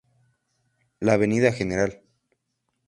La Avenida Gral.